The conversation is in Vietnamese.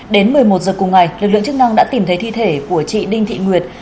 đến một mươi một h cùng ngày lực lượng chức năng đã tìm thấy thi thể của chị đinh thị nguyệt